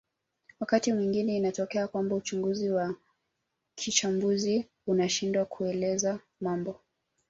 Wakati mwingine inatokea kwamba uchunguzi wa kichambuzi unashindwa kuelezea mambo